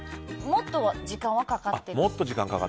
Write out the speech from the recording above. もっと時間はかかってる。